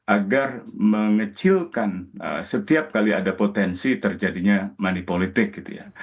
agar mengecilkan setiap kali ada potensi terjadinya money politik gitu ya